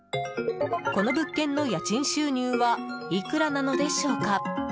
この物件の家賃収入はいくらなのでしょうか？